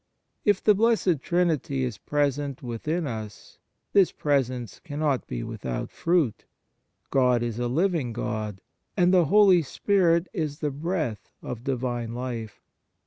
If the Blessed Trinity is present within us, this presence cannot be without fruit. God is a living God, and the Holy Spirit is the breath of Divine life.